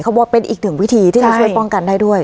บอกว่าเป็นอีกหนึ่งวิธีที่จะช่วยป้องกันได้ด้วย